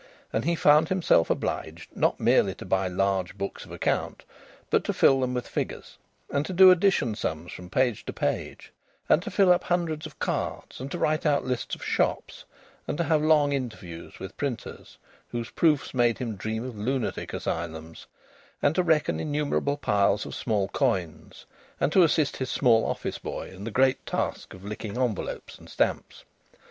And he found himself obliged not merely to buy large books of account, but to fill them with figures; and to do addition sums from page to page; and to fill up hundreds of cards; and to write out lists of shops, and to have long interviews with printers whose proofs made him dream of lunatic asylums; and to reckon innumerable piles of small coins; and to assist his small office boy in the great task of licking envelopes and stamps.